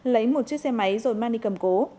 lấy một chiếc xe máy rồi mang đi cầm cố